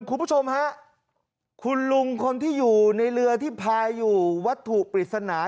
คุณผู้ชมฮะคุณลุงคนที่อยู่ในเรือที่พายอยู่วัตถุปริศนา